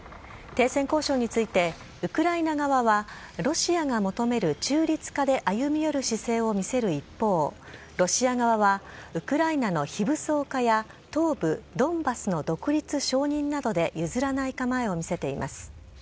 停戦交渉について、ウクライナ側は、ロシアが求める中立化で歩み寄る姿勢を見せる一方、ロシア側は、ウクライナの非武装化や東部ドンバスの独立承認などで譲らない構えを見せています。